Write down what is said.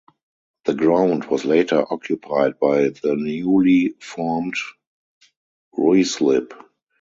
The ground was later occupied by the newly formed Ruislip.